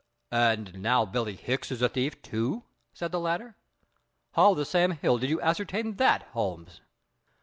"And now Billie Hicks is a thief, too!" said the latter. "How the Sam Hill did you ascertain that, Holmes?"